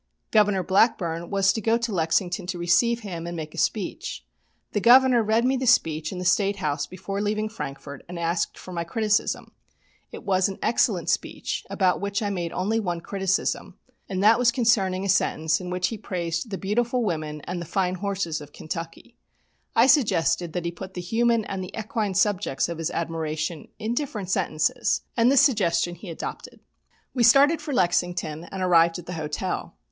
Governor Blackburn was to go to Lexington to receive him and make a speech. The Governor read me the speech in the State House before leaving Frankfort, and asked for my criticism. It was an excellent speech about which I made only one criticism, and that concerning a sentence in which he praised the beautiful women and the fine horses of Kentucky. I suggested that he put the human and the equine subjects of his admiration in different sentences, and this suggestion he adopted. We started for Lexington and arrived at the hotel.